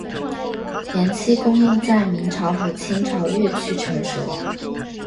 填漆工艺在明朝和清朝越趋成熟。